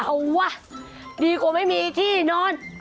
เอาวะดีกว่าไม่มีที่นอน